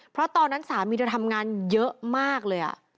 เพราะตอนนั้นสามีเธอทำงานเยอะมากเลย